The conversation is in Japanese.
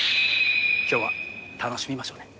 今日は楽しみましょうね。